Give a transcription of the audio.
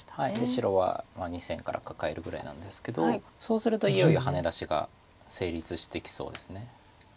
白は２線からカカえるぐらいなんですけどそうするといよいよハネ出しが成立してきそうです。